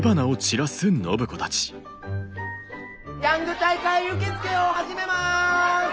ヤング大会受け付けを始めます。